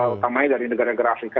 utamanya dari negara negara afrika